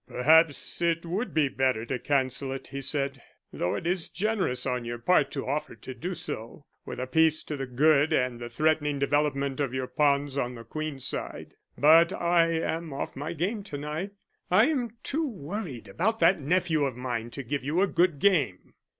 "Perhaps it would be better to cancel it," he said, "though it is generous on your part to offer to do so, with a piece to the good and the threatening development of your pawns on the queen's side. But I am off my game to night. I am too worried about that nephew of mine to give you a good game."